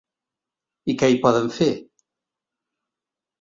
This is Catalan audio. I què hi poden fer?